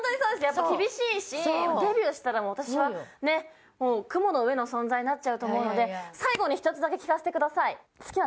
やっぱ厳しいしデビューしたらもう私はねっ雲の上の存在になっちゃうと思うので最後に一つだけ聞かせてください